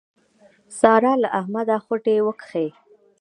سارا له احمده خوټې وکښې.